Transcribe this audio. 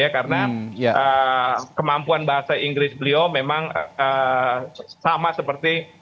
karena kemampuan bahasa inggris beliau memang sama seperti